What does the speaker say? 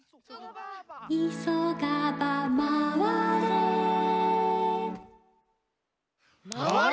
「いそがばまわれ」まわれ！